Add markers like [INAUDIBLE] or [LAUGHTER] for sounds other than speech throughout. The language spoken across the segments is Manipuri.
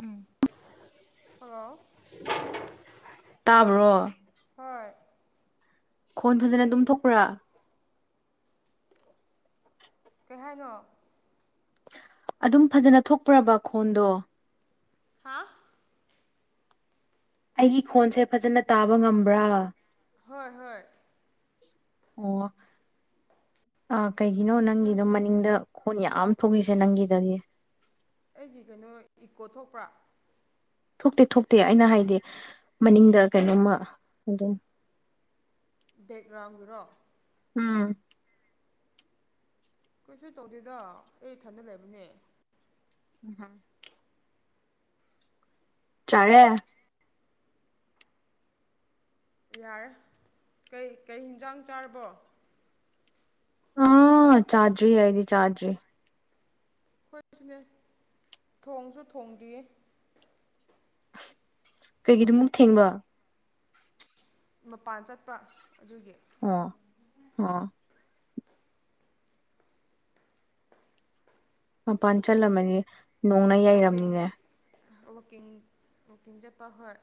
ꯎꯝ ꯍꯜꯂꯣ ꯇꯥꯕ꯭ꯔꯣ ꯍꯣꯏ ꯈꯣꯟ ꯐꯖꯅ ꯑꯗꯨꯝ ꯊꯣꯛꯄ꯭ꯔꯥ ꯀꯩ ꯍꯥꯏꯅꯣ ꯑꯗꯨꯝ ꯐꯖꯅ ꯊꯣꯛꯄ꯭ꯔꯕ ꯈꯣꯟꯗꯣ ꯍꯥ ꯑꯩꯒꯤ ꯈꯣꯟꯁꯦ ꯐꯖꯅ ꯇꯥꯕ ꯉꯝꯕ꯭ꯔꯥ ꯍꯣꯏ ꯍꯣꯏ ꯑꯣ ꯑ ꯀꯩꯒꯤꯅꯣ ꯅꯪꯒꯤꯗꯣ ꯃꯅꯤꯡꯗ ꯈꯣꯟ ꯌꯥꯝ ꯊꯣꯛꯏꯁꯦ ꯅꯪꯒꯤꯗꯒꯤ ꯑꯩꯒꯤ ꯀꯩꯅꯣ ꯏꯀꯣ ꯊꯣꯛꯄ꯭ꯔꯥ ꯊꯣꯛꯇꯦ ꯊꯣꯛꯇꯦ ꯑꯩꯅ ꯍꯥꯏꯗꯤ ꯃꯅꯤꯡꯗ ꯀꯩꯅꯣꯝꯃ ꯑꯗꯨꯝ ꯕꯦꯛꯒ꯭ꯔꯥꯎꯟꯒꯤꯔꯣ ꯎꯝ ꯀꯩꯁꯨ ꯇꯧꯗꯦꯗ ꯑꯩ ꯏꯊꯟꯗ ꯂꯩꯕꯅꯦ ꯍꯥꯝ ꯆꯥꯔꯦ ꯌꯥꯔꯦ ꯀꯩ ꯀꯩ ꯏꯟꯁꯥꯡ ꯆꯥꯔꯕꯣ ꯑꯥ ꯆꯥꯗ꯭ꯔꯤ ꯑꯩꯗꯤ ꯆꯥꯗ꯭ꯔꯤ ꯑꯩꯈꯣꯏꯁꯨꯅꯦ ꯊꯣꯡꯁꯨ ꯊꯣꯡꯗ꯭ꯔꯤꯌꯦ ꯀꯩꯒꯤꯗꯨ ꯃꯨꯛ ꯊꯦꯡꯕ ꯃꯄꯥꯟ ꯆꯥꯠꯄ ꯑꯗꯨꯒꯤ ꯑꯣ ꯑꯥ ꯃꯄꯥꯟ ꯆꯠꯂꯝꯃꯅꯤ ꯅꯣꯡꯅ ꯌꯩꯔꯝꯃꯅꯤꯅꯦ ꯋꯥꯀꯤꯡ ꯋꯥꯀꯤꯡ ꯆꯥꯠꯄ ꯍꯣꯏ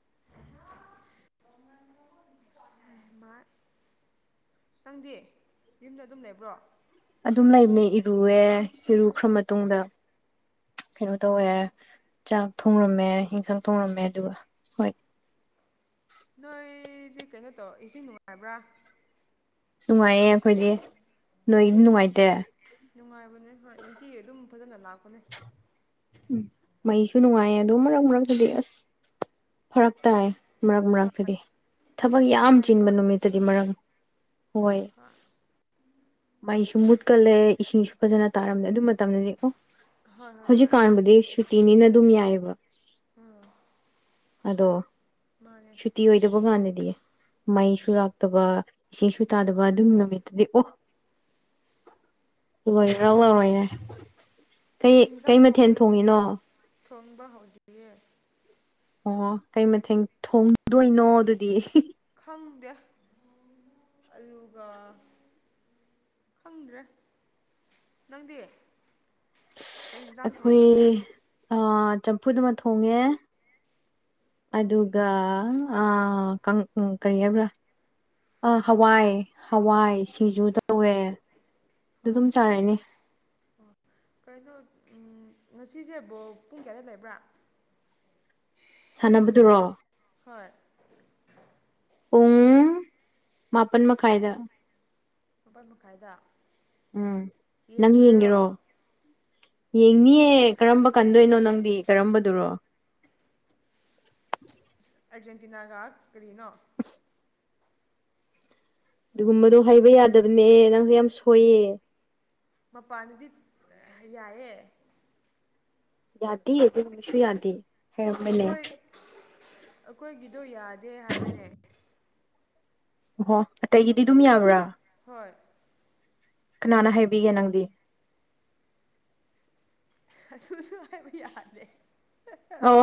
[INAUDIBLE] ꯃꯥ ꯅꯪꯗꯤ ꯌꯨꯝꯗ ꯑꯗꯨꯝ ꯂꯩꯕ꯭ꯔꯣ ꯑꯗꯨꯝ ꯂꯩꯕꯅꯦ ꯏꯔꯨꯑꯦ ꯏꯔꯨꯈ꯭ꯔ ꯃꯇꯨꯡꯗ ꯀꯩꯅꯣ ꯑꯣ ꯇꯧꯋꯦ ꯆꯥꯛ ꯊꯣꯡꯔꯝꯃꯦ ꯏꯟꯁꯥꯡ ꯊꯣꯡꯔꯝꯃꯦ ꯑꯗꯨꯒ ꯍꯣꯏ ꯅꯣꯏꯗꯤ ꯀꯩꯅꯣ ꯇꯧ ꯏꯁꯤꯡ ꯅꯨꯡꯉꯥꯏꯕ꯭ꯔꯥ ꯅꯨꯡꯉꯥꯏꯌꯦ ꯑꯩꯈꯣꯏꯗꯤ ꯅꯣꯏꯗꯤ ꯑꯣ ꯅꯨꯡꯉꯥꯏꯇꯦ ꯅꯨꯡꯉꯥꯏꯕꯅꯦ ꯍꯣꯏ ꯅꯨꯡꯇꯤꯒꯤ ꯑꯗꯨꯝ ꯐꯖꯟꯅ ꯂꯥꯛꯄꯅꯦ ꯎꯝ ꯃꯩꯁꯨ ꯅꯨꯡꯉꯥꯏꯌꯦ ꯑꯗꯨ ꯃꯔꯛ ꯃꯔꯛꯇꯗꯤ ꯑꯁ ꯐꯔꯛ ꯇꯥꯏ ꯃꯔꯛ ꯍꯣꯏ ꯃꯔꯛꯇꯗꯤ ꯊꯕꯛ ꯌꯥꯝ ꯃꯩ ꯆꯤꯟꯕ ꯃꯨꯠꯂꯗꯤ ꯅꯨꯃꯤꯠꯇꯗꯤ ꯃꯔꯛ ꯍꯣꯏ ꯃꯥꯏꯁꯨ ꯃꯨꯠꯀꯜꯂꯦ ꯏꯁꯤꯡꯁꯨ ꯐꯖꯅ ꯇꯥꯔꯝꯗꯦ ꯑꯗꯨ ꯃꯇꯥꯝꯗꯗꯤ ꯑꯣ ꯍꯣꯏ ꯍꯣꯏ ꯍꯣꯏ ꯍꯧꯖꯤꯛꯀꯥꯟꯕꯨꯗꯤ ꯁꯨꯇꯤꯅꯤꯅ ꯑꯗꯨꯝ ꯌꯥꯏꯌꯦꯕ ꯎꯝ ꯑꯗꯣ ꯃꯥꯅꯦ ꯁꯨꯇꯤ ꯑꯣꯏꯗꯕꯀꯥꯟ ꯅꯗꯤ ꯃꯩꯁꯨ ꯂꯥꯛꯇꯕ ꯏꯁꯤꯡꯁꯨ ꯇꯥꯗꯕ ꯑꯗꯨꯝ ꯅꯨꯃꯤꯠꯇꯗꯤ ꯑꯣ [INAUDIBLE] ꯂꯣꯏꯔꯦ ꯀꯩ ꯂꯣꯏꯔꯦ ꯀꯩ ꯌꯦꯟꯁꯥꯡ ꯀꯩ ꯃꯊꯦꯜ ꯊꯣꯡꯒ꯭ꯔꯦ ꯅꯪꯗꯤ ꯊꯣꯡꯉꯤꯅꯣ ꯊꯣꯡꯕ ꯍꯧꯗ꯭ꯔꯤꯌꯦ ꯑꯣ ꯀꯩ ꯃꯊꯦꯡ ꯊꯣꯡꯗꯣꯏꯅꯣ ꯑꯗꯨꯗꯤ ꯈꯪꯗꯦ ꯑꯂꯨꯒ ꯈꯪꯗ꯭ꯔꯦ ꯅꯪꯗꯤ ꯀꯩ ꯌꯦꯟꯁꯥꯡ ꯑꯈꯨꯏ ꯊꯣꯡꯔꯒꯦ ꯑ ꯆꯝꯐꯨꯠ ꯑꯃ ꯊꯣꯡꯉꯦ ꯎꯝ ꯑꯗꯨꯒ ꯑ ꯀꯪ ꯎꯝ ꯀꯔꯤ ꯍꯥꯏꯕ꯭ꯔꯥ ꯑ ꯍꯋꯥꯏ ꯍꯋꯥꯏ ꯁꯤꯡꯖꯨ ꯇꯧꯋꯦ ꯍꯣꯏ ꯑꯗꯨꯝ ꯆꯥꯔꯅꯦ ꯀꯩꯅꯣ ꯉꯁꯤꯁꯦ ꯕꯣꯜ ꯄꯨꯡ ꯀꯌꯥꯗ ꯂꯩꯕ꯭ꯔꯥ ꯁꯥꯟꯅꯕꯗꯨꯔꯣ ꯍꯣꯏ ꯄꯨꯡ ꯃꯥꯄꯟ ꯃꯈꯥꯏꯗ ꯃꯥꯄꯜ ꯃꯈꯥꯏꯗ ꯎꯝ ꯅꯪ ꯌꯦꯡꯗꯣꯏꯔꯣ ꯌꯦꯡꯒꯦꯔꯣ ꯌꯦꯡꯅꯤꯌꯦ ꯀꯔꯝꯕ ꯀꯟꯗꯣꯏꯅꯣ ꯅꯪꯗꯤ ꯀꯔꯝꯕꯗꯨꯔꯣ [INAUDIBLE] ꯑꯔꯖꯦꯟꯇꯤꯅꯥꯒ ꯀꯔꯤꯅꯣ ꯑꯗꯨꯒꯨꯝꯕꯗꯣ ꯍꯩꯕ ꯌꯥꯗꯕꯅꯦ ꯅꯪꯁꯦ ꯌꯥꯝ ꯁꯣꯏꯌꯦ ꯃꯄꯥꯟꯗꯗꯤ ꯌꯥꯏꯌꯦ ꯌꯥꯗꯦ ꯃꯅꯨꯡꯗꯁꯨ ꯌꯥꯗꯦ ꯍꯩꯔꯝꯕꯅꯦ ꯑꯩꯈꯣꯏ ꯑꯩꯈꯣꯏꯒꯤꯗꯣ ꯌꯥꯗꯦ ꯍꯥꯏꯕꯅꯦ ꯑꯣꯍꯣ ꯑꯇꯩꯒꯤꯗꯤ ꯑꯗꯨꯝ ꯌꯥꯕ꯭ꯔꯥ ꯍꯣꯏ ꯀꯅꯥꯅ ꯍꯥꯏꯕꯤꯒꯦ ꯅꯪꯗꯤ ꯑꯗꯨꯁꯨ ꯍꯥꯏꯕ ꯌꯥꯗꯦ ꯑꯣ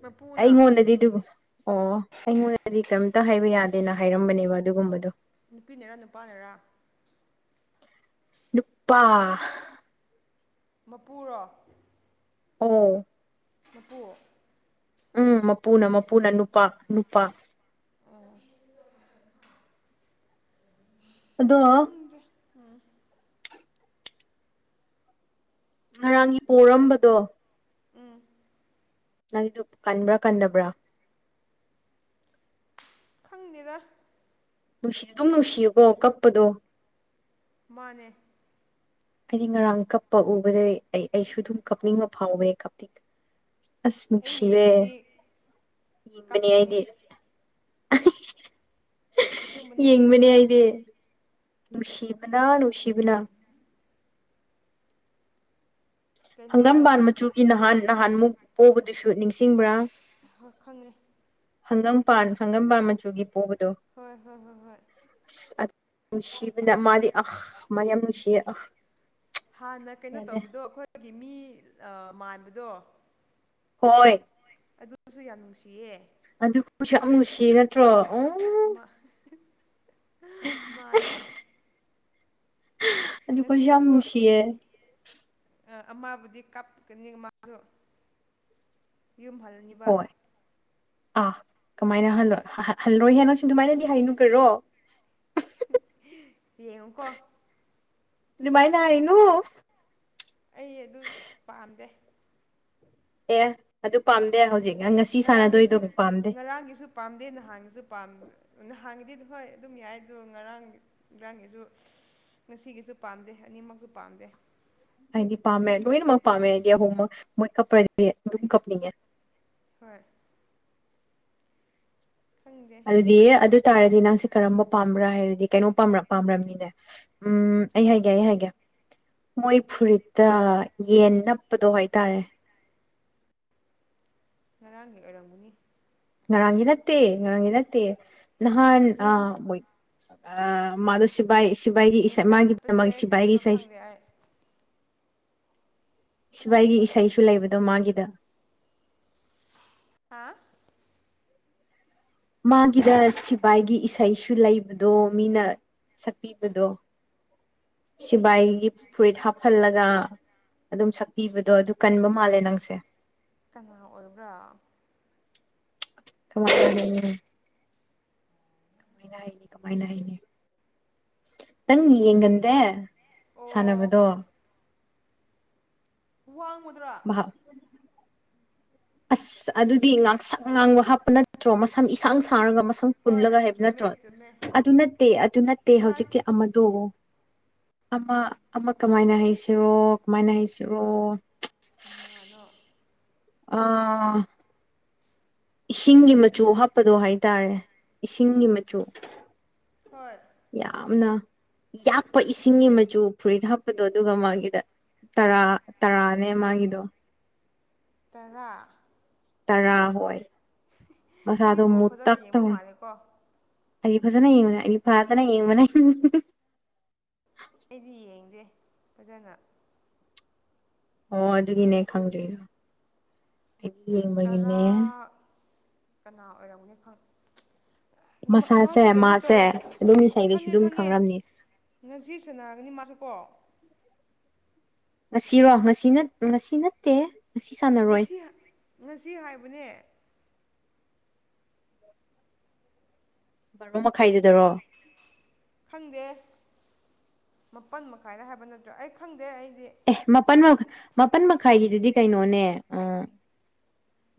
ꯃꯄꯨꯅ ꯑꯩꯉꯣꯟꯗꯗꯤ ꯑꯗꯨꯕꯨ ꯑꯣ ꯑꯩꯉꯣꯟꯗꯗꯤ ꯀꯦꯝꯇ ꯍꯥꯏꯕ ꯌꯥꯗꯦꯅ ꯍꯥꯏꯔꯝꯕꯅꯦꯕ ꯑꯗꯨꯒꯨꯝꯕꯗꯣ ꯅꯨꯄꯤꯅꯔ ꯅꯨꯄꯥꯅꯔꯥ ꯅꯨꯞꯄꯥ ꯃꯄꯨꯔꯣ ꯍꯣ ꯃꯄꯨ ꯎꯝ ꯃꯄꯨꯅ ꯃꯄꯨꯅ ꯅꯨꯄꯥ ꯅꯨꯄꯥ ꯑꯗꯣ ꯎꯝ ꯉꯔꯥꯡꯒꯤ ꯄꯣꯔꯝꯕꯗꯣ ꯅꯪꯗꯨ ꯀꯟꯕ꯭ꯔꯥ ꯀꯟꯗꯕ꯭ꯔꯥ ꯈꯪꯗꯦꯗ ꯅꯨꯡꯁꯤ ꯑꯗꯨꯝ ꯅꯨꯡꯁꯤꯌꯨꯀꯣ ꯀꯞꯄꯗꯣ ꯃꯥꯅꯦ ꯑꯩꯗꯤ ꯉꯔꯥꯡ ꯀꯞꯄ ꯎꯕꯗꯩ ꯑꯩ ꯑꯩꯁꯨ ꯑꯗꯨꯝ ꯀꯞꯅꯤꯡꯕ ꯐꯥꯎꯋꯦ ꯀꯞꯅꯤꯡ ꯑꯁ ꯑꯩ ꯅꯨꯡꯁꯤꯕꯦ ꯌꯦꯡꯗꯤ ꯌꯦꯡꯕꯅꯤ ꯀꯞꯑꯅꯤ ꯑꯩꯗꯤ ꯑꯁꯦꯡꯕꯅꯦ ꯌꯦꯡꯕꯅꯦ ꯑꯩꯗꯤ ꯅꯨꯡꯁꯤꯕꯅ ꯅꯨꯡꯁꯤꯕꯅ ꯀꯩꯅꯣ ꯍꯪꯒꯥꯝꯕꯥꯟ ꯃꯆꯨꯒꯤ ꯅꯍꯥꯟ ꯅꯍꯥꯟꯃꯨꯛ ꯄꯣꯕꯗꯨꯁꯨ ꯨ ꯅꯤꯡꯁꯤꯡꯕ꯭ꯔꯥ ꯍꯣꯏ ꯈꯪꯉꯦ ꯍꯪꯒꯝꯄꯥꯟ ꯍꯪꯉꯝꯄꯥꯟ ꯃꯆꯨꯒꯤ ꯄꯣꯕꯗꯣ ꯍꯣꯏ ꯍꯣꯏ ꯍꯣꯏ ꯍꯣꯏ ꯑꯁ ꯑꯗꯨ ꯅꯨꯡꯁꯤꯕꯅ ꯃꯥꯗꯤ ꯑꯍꯥ ꯃꯥꯗꯤ ꯌꯥꯝ ꯅꯨꯡꯁꯤꯌꯦ ꯑꯥ ꯍꯥꯟꯅ ꯀꯩꯅꯣ ꯇꯧꯕꯗꯣ ꯑꯩꯈꯣꯏꯒꯤ ꯃꯤ ꯑꯥ ꯃꯥꯟꯕꯗꯣ ꯍꯣꯏ ꯑꯗꯨꯁꯨ ꯌꯥꯝ ꯅꯨꯡꯁꯤꯌꯦ ꯨꯁꯨ ꯌꯥꯝ ꯅꯨꯡꯁꯤ ꯅꯠꯇ꯭ꯔꯣ ꯎꯝ ꯃꯥ ꯃꯥꯅꯦ ꯑꯗꯨꯀꯣꯏꯁꯤ ꯌꯥꯝ ꯅꯨꯡꯁꯤꯌꯦ ꯑꯥ ꯑꯃꯕꯨꯗꯤ ꯀꯥꯞꯀꯅꯤ ꯃꯥꯗꯣ ꯌꯨꯝ ꯍꯜꯂꯅꯤꯕ ꯍꯣꯏ ꯑꯥ ꯀꯃꯥꯏꯅ ꯍꯜꯂꯣꯏ ꯍꯜꯂꯣꯏ ꯍꯦ ꯅꯪꯁꯨ ꯗꯨꯃꯥꯏꯅꯗꯤ ꯍꯥꯏꯅꯨ ꯀꯩꯔꯣ ꯌꯦꯉꯣꯀꯣ ꯑꯗꯨꯃꯥꯏꯅ ꯍꯥꯏꯅꯨ ꯑꯩ ꯑꯗꯨ ꯄꯥꯝꯗꯦ ꯑꯦ ꯑꯗꯨ ꯄꯥꯝꯗꯦ ꯍꯧꯖꯤꯛ ꯉꯁꯤ ꯉꯔꯥꯡꯒꯤꯁꯨ ꯁꯥꯟꯅꯗꯣꯏꯗꯣ ꯄꯥꯝꯗꯦ ꯉꯔꯥꯡꯒꯤꯁꯨ ꯄꯥꯝꯗꯦ ꯅꯍꯥꯟꯒꯤꯁꯨ ꯄꯥꯝ ꯅꯥ ꯍꯥꯡꯒꯤꯗꯤ ꯍꯣꯏ ꯑꯗꯨꯝ ꯌꯥꯏ ꯑꯗꯣ ꯉꯔꯥꯡ ꯉꯔꯥꯡꯒꯤꯁꯨ ꯉꯁꯤꯒꯤꯁꯨ ꯄꯥꯝꯗꯦ ꯑꯅꯤꯃꯛꯁꯨ ꯄꯥꯝꯗꯦ ꯄꯥꯝꯃꯦ ꯂꯣꯏꯅꯃꯛ ꯄꯥꯝꯃꯦ ꯑꯩꯗꯤ ꯑꯍꯨꯝꯃꯛ ꯃꯣꯏ ꯀꯞꯄ꯭ꯔꯗꯤ ꯑꯗꯨꯝ ꯀꯞꯅꯤꯡꯉꯦ ꯍꯣꯏ ꯈꯪꯗꯦ ꯑꯗꯨꯗꯤ ꯑꯗꯨ ꯇꯥꯔꯗꯤ ꯅꯪꯁꯦ ꯀꯔꯝꯕ ꯄꯥꯝꯕ꯭ꯔꯥ ꯍꯥꯏꯔꯗꯤ ꯀꯩꯅꯣ ꯄꯥꯝꯔꯛ ꯄꯥꯝꯔꯝꯅꯤꯅꯦ ꯎꯝ ꯑꯩ ꯍꯥꯏꯒꯦ ꯑꯩ ꯍꯥꯏꯒꯦ ꯃꯣꯏ ꯐꯨꯔꯤꯠꯇ ꯌꯦꯟ ꯅꯞꯄꯗꯣ ꯍꯥꯏꯇꯥꯔꯦ ꯉꯔꯥꯡꯒꯤ ꯑꯣꯏꯔꯝꯒꯅꯤ ꯉꯔꯥꯡꯒꯤ ꯅꯠꯇꯦ ꯉꯔꯥꯡꯒꯤ ꯅꯠꯇꯦ ꯅꯍꯥꯟ ꯌꯦꯟ ꯑꯥ ꯃꯣꯏ ꯑꯥ ꯃꯗꯨꯁꯤꯞ ꯁꯤꯕꯥꯏ ꯁꯤꯕꯥꯏꯒꯤ ꯌꯦꯟ ꯏꯁꯩ ꯃꯥꯒꯤꯗꯃꯛ ꯅꯞꯄꯁꯦ ꯁꯤꯕꯥꯏꯒꯤ ꯀꯔꯤꯅꯣ ꯏꯁꯩ ꯈꯪꯗꯦ ꯑꯩ ꯁꯤꯕꯥꯏꯒꯤ ꯏꯁꯩꯁꯨ ꯂꯩꯕꯗꯣ ꯃꯥꯒꯤꯗ ꯍꯥꯥ ꯃꯥꯒꯤꯗ ꯁꯤꯐꯥꯏꯒꯤ ꯏꯁꯩꯁꯨ ꯂꯩꯕꯗꯣ ꯃꯤꯅ ꯁꯛꯄꯤꯕꯗꯣ ꯁꯤꯕꯥꯏꯒꯤ ꯐꯨꯔꯤꯠ ꯍꯥꯞꯍꯜꯂꯒ ꯑꯗꯨꯝ ꯁꯛꯄꯤꯕꯗꯣ ꯑꯗꯨ ꯀꯟꯕ ꯃꯥꯜꯂꯦ ꯅꯪꯁꯦ ꯀꯅꯥ ꯑꯣꯏꯕ꯭ꯔꯥ ꯀꯃꯥꯏ ꯍꯥꯏꯗꯣꯏꯅꯣ [UNINTELLIGIBLE] ꯀꯃꯥꯏꯅ ꯍꯥꯏꯅꯤ ꯀꯃꯥꯏꯅ ꯍꯥꯏꯅꯤ ꯅꯪ ꯌꯦꯡꯒꯟꯗꯦ ꯑꯣ ꯁꯥꯟꯅꯕꯗꯣ ꯋꯥꯡꯃꯗꯨꯔꯥ ꯑꯁ ꯑꯗꯨꯗꯤ ꯉꯥꯡꯁꯪ ꯉꯥꯡꯕ ꯍꯥꯞꯄ ꯅꯠꯇ꯭ꯔꯣ ꯃꯁꯝ ꯏꯁꯥꯡ ꯁꯥꯡ ꯁꯥꯡꯔꯒ ꯃꯁꯝ ꯍꯣꯏ ꯄꯨꯜꯂꯒ ꯍꯥꯏꯕ ꯆꯨꯝꯃꯦ ꯅꯠꯇ꯭ꯔꯣ ꯆꯨꯝꯃꯦ ꯑꯗꯨ ꯅꯠꯇꯦ ꯑꯗꯨ ꯅꯠꯇꯦ ꯃꯥ ꯍꯧꯖꯤꯛꯀꯤ ꯑꯃꯗꯣ ꯑꯃ ꯑꯃ ꯀꯃꯥꯏꯅ ꯍꯩꯁꯤꯔꯣ ꯀꯃꯥꯏꯅ ꯍꯩꯁꯤꯔꯣ ꯀꯅꯥꯅꯣ ꯑꯥ ꯏꯁꯤꯡꯒꯤ ꯃꯆꯨ ꯍꯥꯞꯄꯗꯣ ꯍꯥꯏꯇꯥꯔꯦ ꯏꯁꯤꯡꯒꯤ ꯃꯆꯨ ꯍꯣꯏ ꯌꯥꯝꯅ ꯌꯥꯛꯄ ꯏꯁꯤꯡꯒꯤ ꯃꯆꯨ ꯐꯨꯔꯤꯠ ꯍꯥꯞꯄꯗꯣ ꯑꯗꯨꯒ ꯃꯥꯒꯤꯗ ꯇꯔꯥ ꯇꯔꯥꯅꯦ ꯃꯥꯒꯤꯗꯣ ꯇꯔꯥ ꯇꯔꯥ ꯍꯣꯏ ꯅꯪꯗꯤ ꯃꯁꯥꯗꯣ ꯕꯣ ꯐꯖꯅ ꯃꯨꯇꯛ ꯌꯦꯡꯕ ꯇꯧꯔ ꯃꯥꯜꯂꯦꯀꯣ ꯑꯩꯗꯤ ꯐꯖꯅ ꯌꯦꯡꯕꯅꯦ ꯑꯩꯗꯤ ꯐꯥꯖꯅ ꯌꯦꯡꯕꯅꯦ ꯑꯩꯗꯤ ꯌꯦꯡꯗꯦ ꯐꯖꯅ ꯑꯣ ꯑꯗꯨꯒꯤꯅꯦ ꯈꯪꯗ꯭ꯔꯤꯗꯣ ꯑꯩꯗꯤ ꯇꯔꯥ ꯌꯦꯡꯕꯒꯤꯅꯦ ꯀꯅꯥ ꯑꯣꯏꯔꯝꯒꯅꯤ ꯈꯪ ꯃꯁꯥꯁꯦ ꯃꯥꯁꯨ ꯀꯩꯅꯣ ꯃꯥꯁꯦ ꯇꯧꯔꯝ ꯑꯗꯨꯝ ꯏꯁꯩꯗꯨꯁꯨ ꯈꯪꯉꯦ ꯑꯗꯨꯝ ꯈꯪꯉꯦ ꯈꯪꯔꯝꯅꯤ ꯉꯁꯤ ꯁꯅꯥꯒꯅꯤ ꯃꯥꯖꯨꯀꯣ ꯉꯁꯤꯔꯣ ꯉꯁꯤ ꯅꯠ ꯉꯁꯤ ꯅꯠꯇꯦꯍꯦ ꯉꯁꯤ ꯉꯁꯤ ꯍꯥꯏꯕꯅꯦ ꯕꯥꯔꯣ ꯃꯈꯥꯏꯗꯨꯗꯔꯣ ꯈꯪꯗꯦ ꯃꯥꯄꯟ ꯃꯈꯥꯏꯗ ꯍꯥꯏꯕ ꯅꯠꯇ꯭ꯔꯣ ꯑꯩ ꯈꯪꯗꯦ ꯑꯩ ꯑꯦ ꯃꯥꯄꯜ ꯃꯈꯥ ꯃꯥꯄꯜ ꯃꯈꯥꯏꯒꯤꯗꯨꯗꯤ ꯀꯩꯅꯣꯅꯦ ꯑ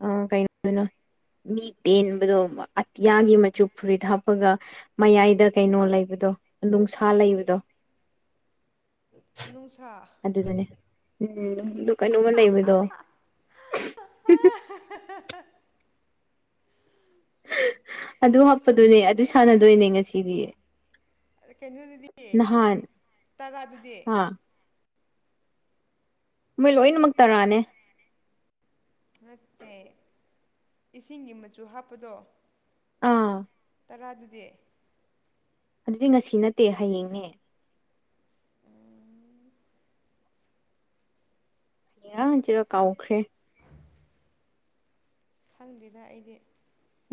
ꯑ ꯀꯩꯅꯣ ꯀꯩꯅꯣ ꯃꯤ ꯇꯦꯟꯕꯗꯣ ꯑꯇꯤꯌꯥꯒꯤ ꯃꯆꯨ ꯐꯨꯔꯤꯠ ꯍꯥꯞꯄꯒ ꯃꯌꯥꯏꯗ ꯀꯩꯅꯣ ꯂꯩꯕ ꯗꯣ ꯅꯨꯡꯁꯥ ꯂꯩꯕꯗꯣ ꯃꯅꯨꯡꯁꯥ ꯑꯗꯨꯗꯨꯅꯦ ꯎꯝ ꯑꯗꯨ ꯀꯩꯅꯣꯝꯃ ꯂꯩꯕꯗꯣ [UNINTELLIGIBLE] [UNINTELLIGIBLE] ꯑꯗꯨ ꯍꯥꯞꯄꯗꯨꯅꯦ ꯑꯗꯨ ꯁꯥꯟꯅꯗꯣꯏꯅꯦ ꯉꯁꯤꯗꯤ ꯀꯩꯅꯣꯗꯨꯗꯤ ꯅꯍꯥꯟ ꯇꯔꯥꯗꯨꯗꯤ ꯑꯥ ꯃꯣꯏ ꯂꯣꯏꯅꯃꯛ ꯇꯔꯥꯅꯦ ꯅꯠꯇꯦ ꯏꯁꯤꯡꯒꯤ ꯃꯆꯨ ꯍꯥꯞꯄꯗꯣ ꯑꯥ ꯇꯔꯥꯗꯨꯗꯤ ꯑꯗꯨꯗꯤ ꯉꯁꯤ ꯅꯠꯇꯦ ꯍꯌꯦꯡꯅꯦ ꯎꯝ ꯍꯩꯌꯥ ꯖꯦꯔꯣ ꯀꯥꯎꯈ꯭ꯔꯦ ꯈꯪꯗꯦꯗ ꯑꯩꯗꯤ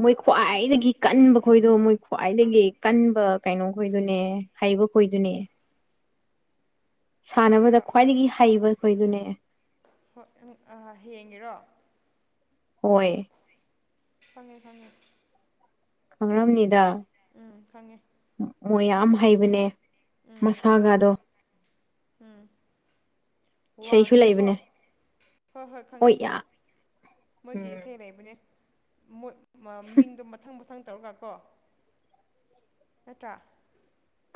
ꯃꯣꯏ ꯈ꯭ꯋꯥꯏꯗꯒꯤ ꯀꯟꯕ ꯈꯣꯏꯗꯣ ꯃꯣꯏ ꯈ꯭ꯋꯥꯏꯗꯒꯤ ꯀꯟꯕ ꯀꯩꯅꯣ ꯈꯣꯏꯗꯨꯅꯦ ꯍꯩꯕ ꯍꯣꯏꯗꯨꯅꯦ ꯁꯥꯟꯅꯕꯗ ꯈ꯭ꯋꯥꯏꯗꯒꯤ ꯍꯩꯕ ꯈꯣꯏꯗꯨꯅꯦ ꯍꯣꯏ ꯎꯡ ꯑ ꯍꯌꯦꯡꯒꯤꯔꯣ ꯍꯣꯏ ꯈꯪꯉꯦ ꯈꯪꯉꯦ ꯈꯪꯔꯝꯅꯤꯗ ꯎꯝ ꯈꯪꯉꯦ ꯃꯣꯏ ꯌꯥꯝ ꯍꯩꯕꯅꯦ ꯃꯁꯥꯒꯥꯗꯣ ꯎꯝ ꯏꯁꯩꯁꯨ ꯋꯥꯡꯗꯦꯀꯣ ꯂꯩꯕꯅꯦ ꯍꯣꯏ ꯍꯣꯏ ꯈꯪꯉꯦ ꯃꯣꯏꯒꯤ ꯎꯝ ꯏꯁꯩ ꯂꯩꯕꯅꯦ ꯃꯣꯏ ꯃ ꯃꯤꯡꯗꯣ ꯃꯊꯪ ꯃꯊꯪ ꯃꯊꯪ ꯇꯧꯔꯒ ꯀꯣ ꯅꯠꯇ꯭ꯔꯥ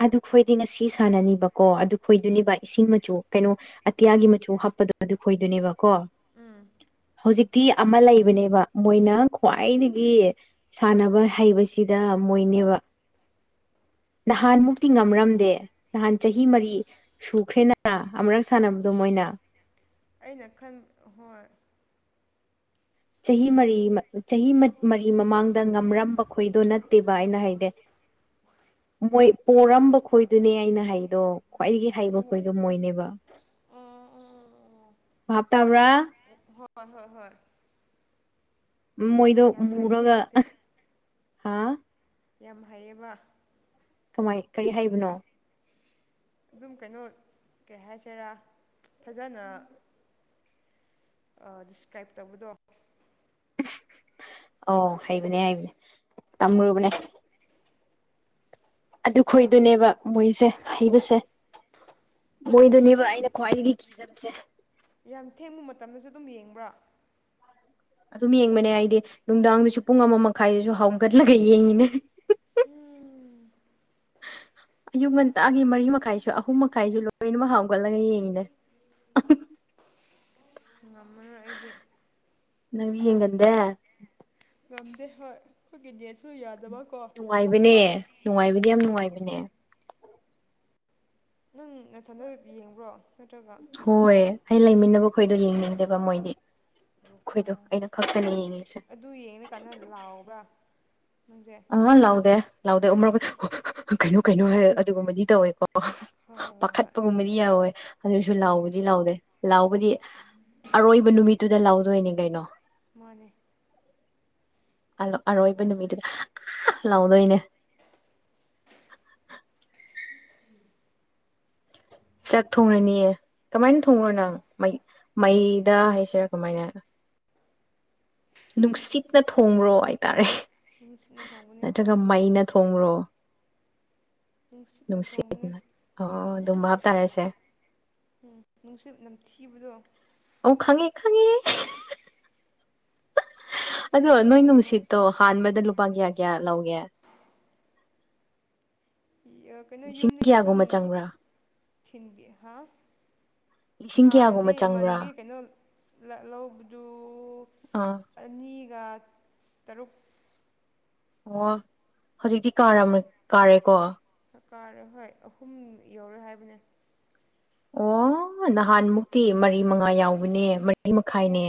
ꯑꯗꯨ ꯈꯣꯏꯗꯤ ꯉꯁꯤ ꯁꯥꯟꯅꯅꯤꯕꯀꯣ ꯑꯗꯨ ꯈꯣꯏꯗꯨꯅꯤꯕ ꯏꯁꯤꯡ ꯃꯆꯨ ꯀꯩꯅꯣ ꯑꯇꯤꯌꯥꯒꯤ ꯃꯆꯨ ꯍꯥꯞꯄ ꯑꯗꯣ ꯑꯗꯨ ꯈꯣꯏꯗꯣꯅꯦꯕꯀꯣ ꯎꯝ ꯍꯧꯖꯤꯛꯇꯤ ꯑꯃ ꯂꯩꯕꯅꯦꯕ ꯃꯣꯏꯅ ꯈ꯭ꯋꯥꯏꯗꯒꯤ ꯁꯥꯟꯅꯕ ꯍꯩꯕꯁꯤꯗ ꯃꯣꯏꯅꯦꯕ ꯅꯍꯥꯟ ꯃꯨꯛꯇꯤ ꯉꯝꯔꯝꯗꯦ ꯅꯍꯥꯟ ꯆꯍꯤ ꯃꯔꯤ ꯁꯨꯈ꯭ꯔꯦꯅ ꯑꯃꯨꯔꯛ ꯁꯥꯟꯅꯕꯗꯣ ꯃꯣꯏꯅ ꯑꯥ ꯑꯩꯅ ꯈꯟꯕ ꯍꯣꯏ ꯆꯍꯤ ꯃꯔꯤ ꯆꯍꯤ ꯃꯔꯤ ꯃꯃꯥꯡꯗ ꯉꯝꯔꯝꯕ ꯑꯩꯈꯣꯏꯗꯣ ꯅꯠꯇꯦꯕ ꯑꯩꯅ ꯍꯥꯏꯗꯤ ꯃꯣꯏ ꯄꯣꯔꯝꯕ ꯈꯣꯏꯗꯨꯅꯦ ꯑꯩꯅ ꯍꯥꯏꯗꯣ ꯈ꯭ꯋꯥꯏꯗꯒꯤ ꯍꯩꯕ ꯑꯣ ꯈꯣꯏꯗꯣ ꯃꯣꯏꯅꯦꯕ ꯕꯥꯞ ꯑꯣ ꯇꯕ꯭ꯔꯥ ꯍꯣꯏ ꯍꯣꯏ ꯍꯣꯏ ꯃꯣꯏꯗꯣ ꯌꯥꯝ ꯍꯩꯅꯦ ꯃꯨꯔꯒ ꯅꯪꯁꯦ ꯍꯥ ꯌꯥꯝ ꯍꯩꯌꯦꯕ ꯀꯃꯥꯏ ꯀꯔꯤ ꯍꯥꯏꯕꯅꯣ ꯑꯗꯨꯝ ꯀꯩꯅꯣ ꯀꯩ ꯍꯥꯏꯁꯤꯔꯥ ꯐꯖꯅ ꯑꯥ ꯗꯤꯁꯀ꯭ꯔꯥꯏꯞ ꯇꯧꯕꯗꯣ ꯑꯧ ꯍꯩꯕꯅꯦ ꯍꯩꯕꯅꯦ ꯇꯝꯃꯨꯔꯕꯅꯦ ꯑꯗꯨ ꯈꯣꯏꯗꯨꯅꯦꯕ ꯃꯣꯏꯁꯦ ꯍꯩꯕꯁꯦ ꯃꯣꯏꯗꯨꯅꯦꯕ ꯅꯪ ꯑꯩꯅ ꯈ꯭ꯋꯥꯏꯗꯒꯤ ꯀꯤꯖꯕꯁꯦ ꯌꯥꯝ ꯊꯦꯡꯕ ꯃꯇꯝꯗꯁꯨ ꯑꯗꯨꯝ ꯌꯦꯡꯕ꯭ꯔꯥ ꯑꯗꯨꯝ ꯌꯦꯡꯕꯅꯦ ꯑꯩꯗꯤ ꯅꯨꯡꯗꯥꯡꯗꯨꯁꯨ ꯄꯨꯡ ꯑꯃ ꯃꯈꯥꯏꯗꯁꯨ ꯍꯧꯒꯠꯂꯒ ꯌꯦꯡꯉꯤꯅꯦ [INAUDIBLE] ꯑꯌꯨꯛ ꯉꯟꯇꯥꯒꯤ ꯃꯔꯤ ꯃꯈꯥꯏꯁꯨ ꯑꯍꯨꯝ ꯃꯈꯥꯏꯁꯨ ꯂꯣꯏꯅꯃꯛ ꯍꯧꯒꯠꯂꯒ ꯌꯦꯡꯉꯤꯅꯦ [INAUDIBLE] ꯉꯝꯃꯔꯣꯏ ꯑꯩꯗꯤ ꯅꯪꯗꯤ ꯌꯦꯡꯒꯟꯗꯦ ꯉꯝꯗꯦ ꯍꯣꯏ ꯈꯣꯏꯒꯤ ꯅꯦꯠꯁꯨ ꯌꯥꯗꯦ ꯅꯨꯡꯉꯥꯏꯕꯅꯦ ꯅꯨꯡꯉꯥꯏꯕꯗꯤ ꯌꯥꯝ ꯅꯨꯡꯉꯥꯏꯕꯅꯦ ꯅꯪ ꯅꯊꯟꯗ ꯌꯦꯡꯕ꯭ꯔꯣ ꯅꯠꯇ꯭ꯔꯒ ꯍꯣꯏ ꯑꯩ ꯂꯩꯃꯤꯟꯅꯕ ꯈꯣꯏꯗꯣ ꯌꯦꯡꯅꯤꯡꯗꯦꯕ ꯃꯣꯏꯗꯤ ꯃꯈꯣꯏꯗꯣ ꯑꯣ ꯑꯩ ꯈꯛꯇꯅꯦ ꯌꯦꯡꯉꯤꯁꯦ ꯑꯗꯨ ꯌꯦꯡꯉꯀꯥꯟꯗ ꯂꯥꯎꯕ꯭ꯔꯥ ꯅꯪꯁꯦ ꯑꯉꯥꯡ ꯂꯥꯎꯗꯦ ꯂꯥꯎꯗꯦ ꯀꯩꯅꯣ ꯀꯩꯅꯣ ꯍꯥꯏ ꯑꯗꯨꯒꯨꯝꯕꯗꯤ ꯇꯧꯌꯦꯀꯣ ꯍꯣꯏ ꯍꯣꯏ ꯍꯣꯏ ꯄꯥꯈꯠꯄꯒꯨꯝꯕꯗꯤ ꯌꯥꯎꯋꯦ ꯑꯗꯨꯏꯁꯨ ꯍꯣꯏ ꯍꯣꯏ ꯂꯥꯎꯕꯗꯤ ꯂꯥꯎꯗꯦ ꯂꯥꯎꯕꯗꯤ ꯑꯔꯣꯏꯕ ꯅꯨꯃꯤꯠꯇꯨꯗ ꯂꯥꯎꯗꯣꯏꯅꯤ ꯀꯩꯅꯣ ꯃꯅꯦ ꯑꯔꯣꯏꯕ ꯅꯨꯃꯤꯠꯇꯨꯗ ꯑꯥ ꯑꯥ ꯂꯥꯎꯗꯣꯏꯅꯦ [INAUDIBLE] [INAUDIBLE] ꯆꯥꯛ ꯊꯣꯡꯉꯅꯤꯌꯦ ꯀꯃꯥꯏꯅ ꯊꯣꯡꯕ꯭ꯔꯣ ꯅꯪ ꯃꯩ ꯃꯩꯗ ꯍꯥꯏꯁꯤꯔꯥ ꯀꯃꯥꯏꯅ ꯅꯨꯡꯁꯤꯠꯅ ꯊꯣꯡꯕ꯭ꯔꯣ ꯍꯥꯏꯇꯥꯔꯦ ꯅꯨꯡꯁꯤꯠꯅ ꯊꯣꯡꯕꯅꯦ ꯅꯠꯇ꯭ꯔꯒ ꯍꯣꯏ ꯃꯩꯅ ꯊꯣꯡꯕ꯭ꯔꯣ ꯅꯨꯡꯁꯤꯠꯅ ꯑꯣ ꯑꯗꯨꯝ ꯕꯞ ꯇꯔꯦꯁꯦ ꯎꯝ ꯅꯨꯡꯁꯤꯠ ꯅꯝꯊꯤꯕꯗꯣ ꯑꯧ ꯈꯪꯉꯦ ꯈꯪꯉꯦ ꯑꯗꯣ ꯑꯗꯨꯅ ꯅꯣꯏ ꯇꯧꯕꯅꯦ ꯅꯨꯡꯁꯤꯠꯇꯣ ꯍꯥꯟꯕꯗ ꯂꯨꯄꯥ ꯀꯌꯥ ꯀꯌꯥ ꯂꯧꯒꯦ ꯀꯩꯅꯣ ꯂꯤꯁꯤꯡ ꯌꯨꯝꯗꯒꯤ ꯑꯗꯨꯝ ꯀꯌꯥꯒꯨꯝꯕ ꯆꯪꯕ꯭ꯔꯥ ꯊꯤꯟꯕꯤ ꯍꯥ ꯂꯤꯁꯤꯡ ꯍꯥꯟꯅꯗꯤ ꯀꯌꯥꯒꯨꯝꯕ ꯆꯪꯕ꯭ꯔꯥ ꯏꯃꯥꯟꯅꯕꯤ ꯀꯩꯅꯣ ꯂ ꯂꯧꯕꯗꯨ ꯑꯥ ꯑꯅꯤꯒ ꯇꯔꯨꯛ ꯑꯣ ꯍꯧꯖꯤꯛꯇꯤ ꯀꯥꯔ ꯀꯥꯔꯦꯀꯣ ꯀꯥꯔꯦ ꯍꯣꯏ ꯑꯍꯨꯝ ꯌꯧꯔꯦ ꯍꯥꯏꯕꯅꯦ ꯑꯣ ꯅꯍꯥꯟ ꯃꯨꯛꯇꯤ ꯃꯔꯤ ꯃꯉꯥ ꯌꯥꯎꯕꯅꯦ ꯃꯔꯤ ꯃꯈꯥꯏꯅꯦ